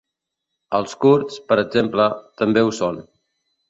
Els kurds, per exemple, també ho són.